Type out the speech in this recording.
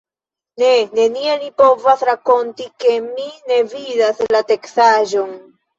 Ne, neniel mi povas rakonti, ke mi ne vidas la teksaĵon!